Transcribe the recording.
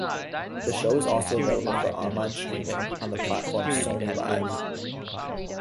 The show is also available for online streaming on the platform Sony Liv.